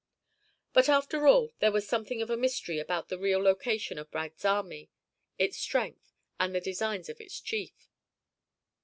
But, after all, there was something of a mystery about the real location of Bragg's army, its strength, and the designs of its chief.